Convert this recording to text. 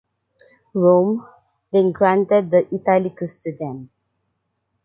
Rome then “granted” the Italicus to them.